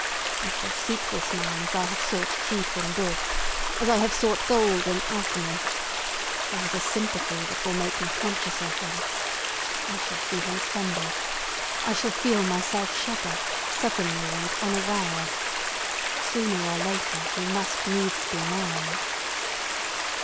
I shall seek this man, as I have sought truth in books: as I have sought gold in alchemy. There is a sympathy that will make me conscious of him. I shall see him tremble. I shall feel myself shudder, suddenly and unawares. Sooner or later, he must needs be mine."